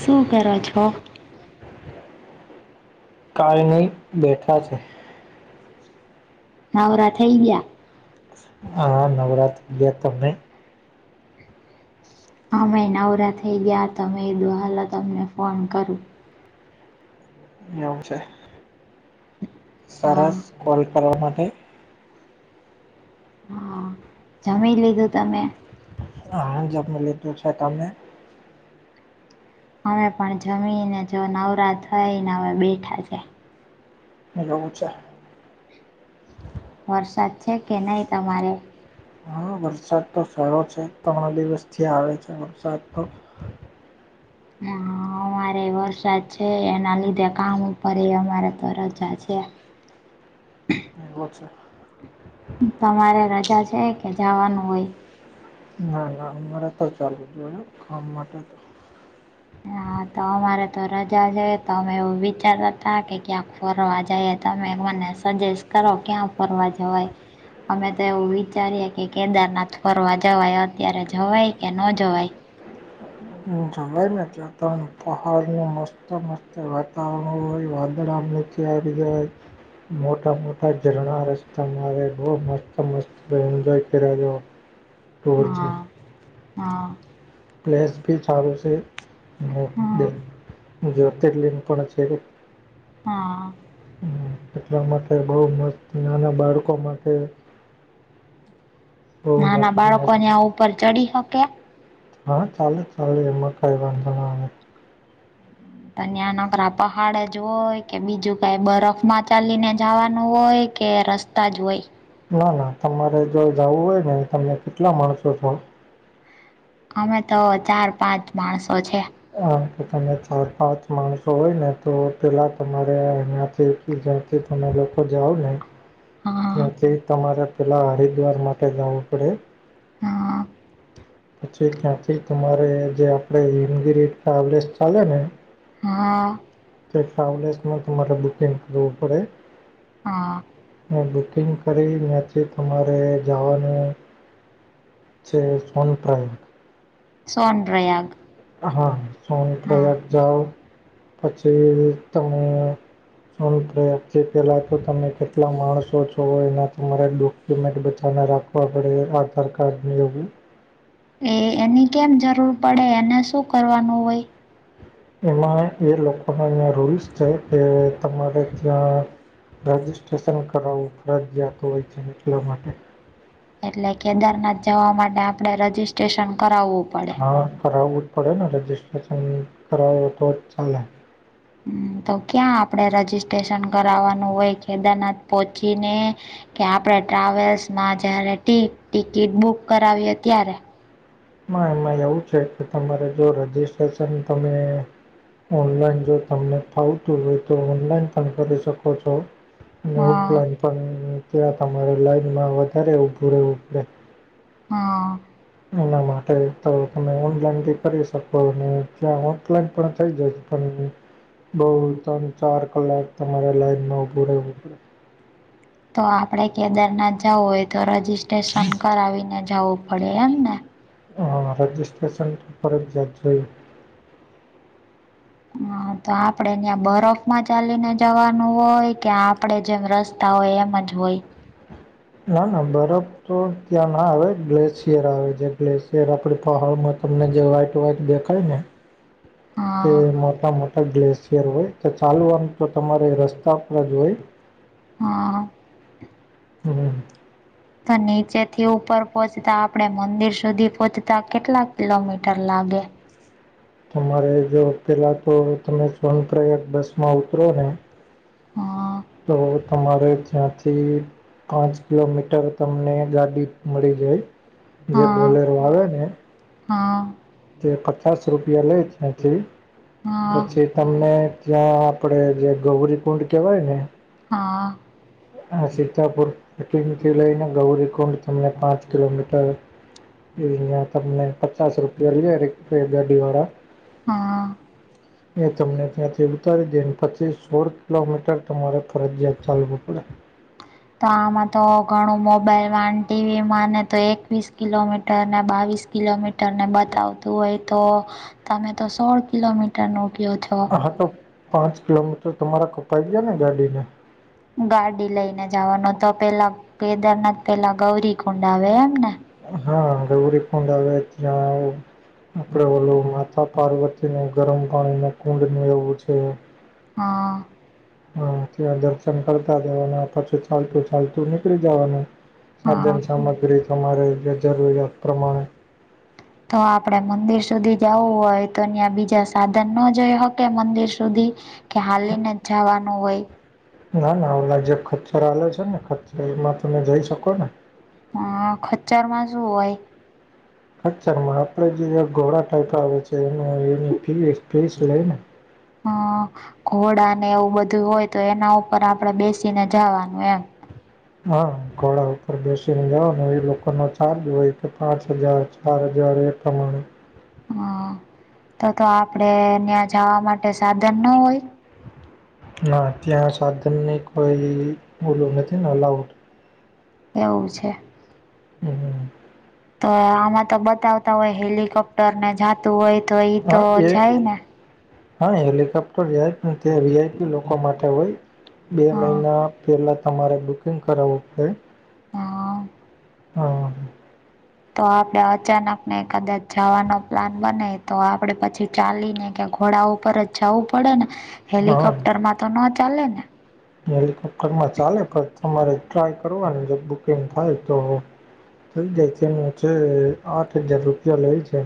શું કરો છો? કાઈ નહી બેઠા છે. નવરા થઈ ગયા? હા નવરા થઈ ગયા‌ તમને અમેં નવરા થઈ ગયા તમે એ દો હાલ તમને ફોન કરુ એવું છે હા સરસ કોલ કરવા માટે જમી લીધું તમે હા જમિ લિધુ છે તમે? અમે પણ જમીને જો નવરા થઈને હવે બેઠા છે. એલેવું છે વરસાદ છે કે નહીં તમારે હા વરસાદ તો સારો છે ત્રણ દિવસથી આવે છે વરસાદ તો [inaudible] અમારે વરસાદ છે એના લીધે કામ ઉપર અ અમારે તો રજા છે એવો છે તમારે રજા છે કે જાવાનું હોય ના ના અમારે તો ચાલુજ હોય કામ માટે તો હા તો અમારે તો રજા છે તો અમે એવું વિચારતા તા કે ક્યાંક ફરવા જાયે તમે મને સજેસ્ટ કરો ક્યાં ફરવા જવાય? અમે તો એવું વિચારીએ કે કેદારનાથ ફરવા જવાય અત્યારે જવાય કે ન જવાય? જવાય જતા પહાડનું મસ્ત મસ્ત વાતાવરણ હોય વાંદળામ [inaudible] મોટ મોટી [inaudible] રસ્તામાં આવે બહ મસ્ત મસ્ત એન્જોય કરેલો એવું છે હા હા. પ્લેસ ભી સારું છે. હબે હા ત્યાં જ્યોતિર્લિંગ પણ છે, હા એટલા માટે બહુ મસ્ત નાના બાળકો માટે, બહુ નાના મસ્ત બાળકો મસ્ત ન્યા ઉપર ચડી શકે, હા ચાલે ચાલે એમાં કંઈ વાંધો ના આવે. ન્યા નકરા પહાડ જ હોય કે બીજું કાઈ બરફમાં ચાલીને જવાનું હોય કે રસ્ તાજ હોય. નાના તમારે જો જાવું હોય ને તમે કેટલા માણસો છો, અમે તો ચાર પાંચ માણસો છે, આમ કે તમે ચાર પાંચ માણસો હોયને તો પેલા તમારે અહીંયાથી જ. તમે લોકો જાવને, હા ત્યાંથી તમારે પેલાં હરિદ્વાર માટે જાવું પડે, હ, પછી ત્યાંથી તમારે જે આપણે મગરી ટ્રાવેલર્સ ચાલે ને, હ, કે ટ્રાવેલ્સન તમારે બુકિંગ કરવું પડે હા અને બુકિંગ, ફરી ન્યાથી તમારે જાવાનું છે, સોન પ્રાય સોનપ્રયાગ, હા હા સોનપ્રયાગ જાવ પછી તમે, સોનપ્રયાગથી પેલાતો તમે કેટલા માણસો છો, એના તમારે ડો પેમેન્ટ બચાવને રાખવા પડે આધારકાર્ડ યોગ. એ એની કેમ જરૂર પડે એને શું કરવાનું હોય, એમાં એ લોકો ન્યા અહીં રૂલ્સ છે, કે તમારે ત્યાં. રજિસ્ટ્રેશન કરાવવું ફરજિયાત હોય છે, એટલા માટે. એટલે કેદારનાથ જાવા માટે આપડે રજીિસ્ટ્રેશન કરાવું, હા કરાવવું પડેને રજીસ્ટ્રેશન કરાવે તોજ ચાલે. તો ક્યાં આપડે રજીિસ્ટ્રેશન કરાવાનું હોય કેદારનાથ પહોંચીને. કે આપડે ટ્રાવેલ્સમાં જયારે ટી ટિકિટ બુક કરાવીએ ત્યારે, માં એવું છે, કે તમારે જો રજિસ્ટ્રેશન તમે. ઓનલાઈન જો તમને ફાવતું હોયતો ઓનલાઈન પણ કરી શકો છો, અને હા ઉપરાંત પણ ત્યાં તમારે લાઈનમાં વધારે ઉભા ઉભૂ રેવુ. હા એના માટે તો તમે ઓનલાઈનથી કરી શકો એટલે હું. લા પણ થઈ જાય પણ બઉ તમે. ચાર કલાક તમારે લાઈનમાં ઉભું રહે ઉભ પડે. તો આપડે કેદારનાથ જવું હોયતો રજીિસ્ટ્રેશન કરાવીને જવું પડે એમને, હા રાજિસ્ટેશન ઉપર જ જાત જોઈએ. હા, તો આપડે ત્યાં બરફમાં ચાલીને જવાનું હોય કે આપડે જેમ રસ્તા. તા હોય એમ જ હોય ના ના બરફ તો ત્યાંના આવે ગ્લેશિયર આવે છે. એટલે શેર આપણી પહાડમાં તમને જે વ્હાઈટ વ્હાઈટ દેખાયને તે હા મોટા મોટા ગ્લેશિયર હોય તો ચાલવાનું તો તમારે રસ્તા પર જ હોય. હા [inaudible] હું. તો નીચેથી ઉપર પહોંચતા આપડે મંદિર સુધી પહોંચતા કેટલા કિલોમીટર લાગે. તમારે જો પેલા તો તમે સ્નાન પ્રયાગ બસ માં ઉતરોને. હા તો તમારે ત્યાંથી પાંચ કિલોમીટર તમને ગાડી મળી, જાય જે હા બોલેરો આવેને હા તે પચાસ રૂપિયા લે છે અથી હા પછી તમને. જ્યાં આપડે જે ગૌરી કુંડ કહેવાય ને. હા. હ સીતાપુરંગથી લઈને ગૌરી કુંડ તમને પાંચ કિલોમીટર. યજ તમને પચાસ રૂપ. ગાડી વાળા હા એ તમને. ત્યાંથી ઉતારી દેને પછી સોળ કિલોમીટર તમારે ફરજયાત ચાલવું પડે. તો આમાં તો ઘણું મોબાઈલમાં ટીવીમાં ને તો એકવીસ કિલોમીટરને બાવીસ. કિલોમીટરને બતાવતું હોય તો તમે તો સોળ કિલોમીટર મૂકયો છ. હા તો પાંચ કિલોમીટર તમારા કપાઈ ગયા ને ગાડીને. ગાડી લઈને જવાનું તો પેલા. કેદારનાથ પેલા ગૌરી કુંડ આવે એમને. હા ગૌરી કોડ આવે ત અડ ઓલું માતા પારવતી. કે ગરમ પાણી ન કુંડ એવું છે. હા. હા ત્યાં દર્શન કરતા હતાવા અને પછી ચાલતું ચાલતું. ું નીકળી જવાનું હા સાધ્યન સામગ્રી તમારે જે જરૂરિયાત પ્રમાણે. તો આપડે મંદિર સુધી જવું હોય તો અં બીજા સાધનન જોઈ શકે મંદિર સુધી. કે હાલી નથી જવાનું હોય. ના ના ઓલા જે ખચ્ચર હ છે ને ખચ્ર એમાં તમે જઈ શકો ને. હ ખચરમાં શું હોય. અચછા આપડે જે ઘોડા ટાઈપ આવે છે એ એની પીસ લઈને. હ ઘોડા ને એવું બધું હોય તો એના ઉપર આપડે બેસીને જવાનું એમ. હા ઘોડા ઉપર બેસીને જવા એ લોકો ન ચાર્જ હોય. પાંચ હજાર ચાર હજાર એકઠ માણ. હ તો તો આપડે ત્યાં જવા માટે સાધનના હોય. ના ત્યાં સાધનની કોઈ ઓલું નથી ને અઉટ. એવું છે. હમ. તો આમાં તો બતાવતા હોય હેલિકોપ્ટર ને જતું હોય તો ઈ તો હા એ જાય ને. હા હેલિકોપ્ટરાય પણ તે વીઆઈપી લોકો માટે હોય બે હા મહિના. પહેલાં તમારે બુકિંગ કરાવવું પડે. હા. હા. તો આપડે અચાનક ને કદાચ જવાનો પ્લાન બને તો આપડે પછી ચાલીને કે ઘોડાઓ. ઉપર જ જવું પડે ને હા હેલિકોપ્ટરમાં તો ન ચાલેને. હેલિકોપ્ટરમાં ચાલે પણ તમારે ટ્રાય કરવાની જે બુકિંગ થાય તો. થઈ જાય છે હ છે આઠ હજાર રૂપિયા લેય છે.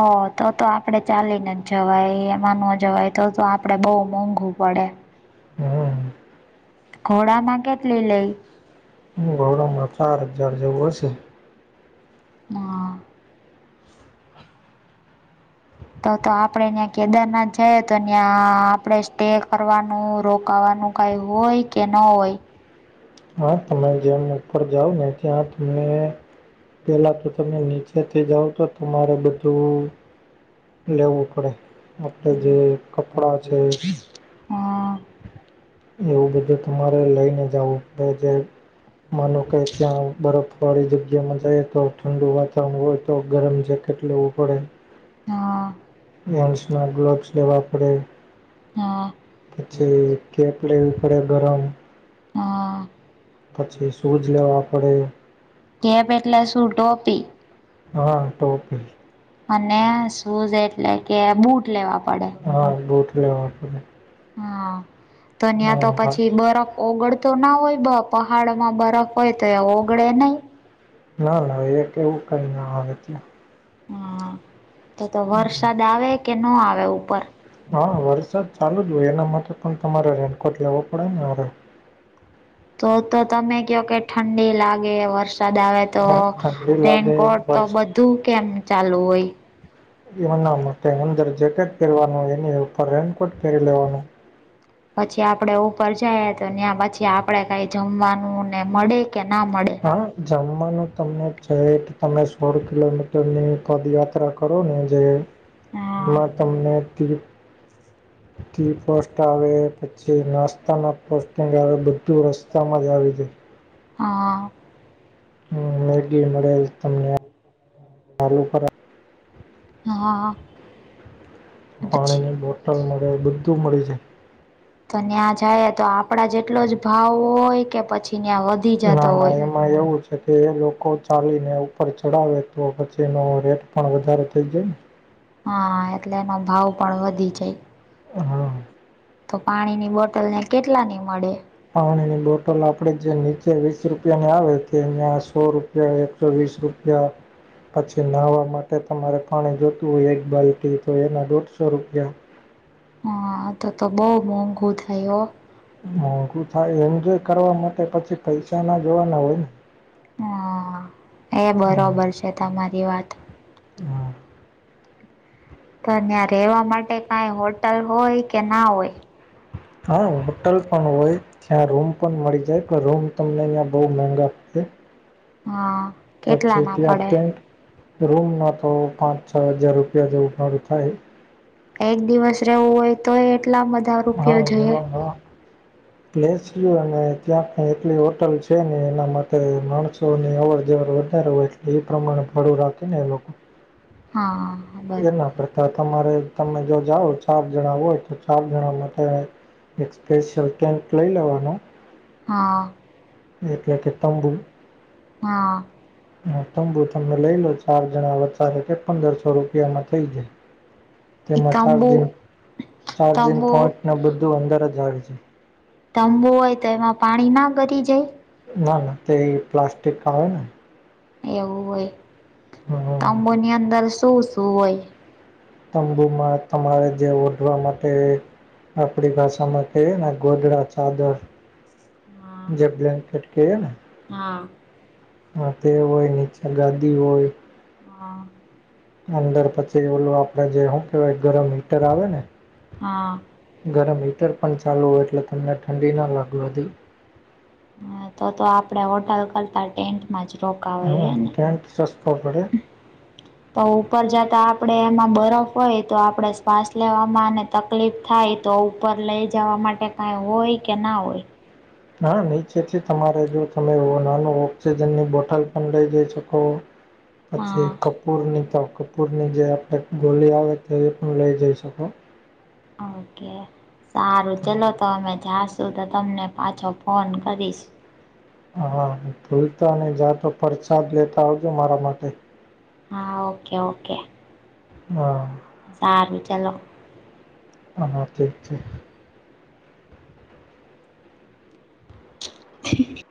ઓ તો તો આપડે ચાલીને જ જવાય એમાં ન જવાય તો તો આપડે બહુ મોંઘું પડે. હમ્મ ઘોડા માગટ લ લઈ. હ ઘોડા મા ચાર હજાર જેવું હશે. હા [inaudible] તો તો આપડે ત્યાં કેદારનાથ જઈએ તો ત્યાં આપડે સ્ટે કરવાનું રોકાવાનું. કઈ હોય કે ના હોય. હા તમે જેમ ઉપર જાાવ ને ત્યાં તમને પેલા તો તમે નીચે. સાથેથી જાઓ તો તમારે બધું. લેવું પડે આપડ જે કપડા છે. હમ એવું બધું તમારે લઈને જાવું નો જાય માનું કે ત્યાં બરફ વાળી જગ્યામાં જાય તો ઠંડુ વાતાવરણ હોય તો ગરમ જગ કેટલેેવું પડે હા હેન્ડ્સના ગ્લોવ્સ લેવા પડે હા પછી કેપ લેવી પડે ગરમ હા પછી શૂઝ લેવા પડે કેપ એટલે શું ટોપી હા ટોપી અને શૂઝ એટલે કે બુટ લેવા પડે હા બૂટ લેવા આપડે હા તો ન્યાં તો હા પછી બરફ ઓગળ તો ના હોય બ પહાડમાં બરફ હોય તો એ ઓગળે નહી ના ના એક એવું કઈ ના આવે ત હા તો તો વરસાદ આવે કે ન આવે ઉપર હા વરસાદ ચાલુ જ હોય એના માટે પણ તમારે રેનકોટ લેવો પડે ને અરે તો તો તમે કયો કે ઠંડી લાગે વરસાદ આવે તો ઠંડી લાગે રેનકોટ તો વરસાદ બધું કેમ ચાલુ હોય એના માટે અંદર જેકેટ પહેરવાનું એની ઉપર એમ હમ્મ [inaudible] પછી આપડે ઉપર જઈ તો ત્યાં પછી આપડે કઈ જમવાનુંને મળે કે ના મળે હા જમવાનું તમને છે કે તમે સોળ કિલોમીટરની પદયાત્રા કરો ને હા જેમાં તમને ત ટી પોસ્ટ આવે જે નાસ્તાના પોસ્ટિંગ બધું રસ્તામાં જ આવી દ હા હ મેગી મળે તમને ચાલુ કર હા પાણી પછી ની બોટલ મળે બધું મળી જાય તો ત્યાં જાય તો આપડા જેટલો જ ભાવ હોય કે પછી ત્યાં વધી જતો ના ના હોય એમાં એવું છે કે એ લોકો ચાલીને ઉપર ચડાવે તો પછીનો રેટ પણ વધારો થઈ જાય ને હા એટલે એનો ભાવ પણ વધી જાય હા તો પાણી ની બોટલ ને કેટલા ની મળે પાણીની બોટલ આપણેે જે નીચે વીસ રૂપિયા ની આવે તે એ સો રૂપ એકસો વીસ રૂપિયા પછી નાહવા માટે તમારે પાણી જોતું હોય એક બાલ્ટ તો એના દોઢસો રૂપિયા હા તો તો બહ મોંઘો થયું. મોંઘું થાય એન્જોય કરવા માટે પછી પૈસા ના જોવાના હોય ને હ એ બરોબર છે તમારી વાત હા તો ત્યાં રહેેવા માટે કઈ હોટલ હોય કે ના હોય. હા હોટલ પણ હોય ત્યાં રૂમ પણ મળી જાય પણ રૂમ તમને અં બહુ મેગા હા કેટલા પછી ના ત્યાં પડે ટેન્ટ રૂમ ન તો પાંચ છ હજાર રૂપિયા જેવું મળરું થાય. એક દિવસ રહેવું હોય તો એટલા બધા રૂપિયો જોઈએ. પ્લેસુ અને ત્યાંની એટલી હોટલ છે ને એના માટે માણસોની અવર જવર વધારે હોય એટલે એ પ્રમાણે ભડું રાખે ને એ લોકો હા. બરોબર એના કરતા તમારે તમે જો જાઓ ચાર જણા હોય તો ચાર જણા માટે એક સ્પેશિયલ કેમ્પ લઈ લેવાનો. હા. એટલે કે તમે હા. હ તંબુ તમે લઈ લો ચાર જણા વચ્ચે પંદરસો રૂપિયામાં એમા થઈ જાય છે. એ તંબુ તેમાં ચાર્જિંગ તંબુ પોઈન્ટ બધું અંદર જ આવે છે. તંબું હોય તો એમાં પાણી ના ભરાઈ જાય. ના ના તે પ્લાસ્ટિકના આવે ને એવુ હોય છે. હા હા. તંબુની અંદર શું શું હોય? તંબુમાં તમારે જેમ ઊંઘવા માટે આપડી ભાષામાં કહીએ ને ગોદડા ચાદર હા જેમ બ્લેન્કેટ કે ને હા. તે હોય નીચે ગાદી હોય છે. હા. અંદર પછી ઓલું આપણે શું કેવાય ગરમ હીટર આવે ને હા ગરમ હીટર પણ ચાલુ હોય એટલે તમને ઠંડી ના લાગવા દે હા તો તો આપડે હોટલ કરતા ટેન્ટમાં જ હા રોકવાયને [unintelligible] તો ઉપર જતા આપણેે એમાં બરફ હોય તો આપડે શ્વાસ લેવામાં તકલીફ થાય તો ઉપર લઈ જવા માટે કાંઈ હોય કે ના હોય? ના નીચેથી તમારે જો તમે નાનો ઓક્સિજનની બોટલ પણ લઈ જઈ શકો છો. પછી હા કપૂરની આપણે ગોળી આવે તો એ પણ લઈ જઈ શકો છો. ઓકે. સારું ચાલો તો અમે જઈશું તો તમને પાછો ફોન કરીશ. હા ભૂલતા નહિ જાવ તો પ્રસાદ લેતા આવજો મારી માટે. હા ઓકે ઓકે. હા. સાારું ચાલો. હા ઠીક છે. [inaudible]